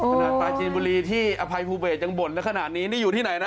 ปลาจีนบุรีที่อภัยภูเบสยังบ่นและขนาดนี้นี่อยู่ที่ไหนนะ